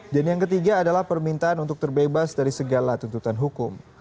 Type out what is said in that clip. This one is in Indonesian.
dan yang ketiga adalah permintaan untuk terbebas dari segala tuntutan hukum